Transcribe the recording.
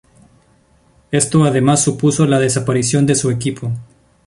Esto además supuso la desaparición de su equipo.